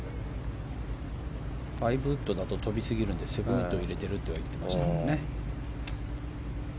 ５ウッドだと飛びすぎるので７ウッドを入れていると言っていましたね。